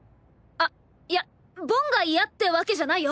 あいやボンが嫌ってわけじゃないよ。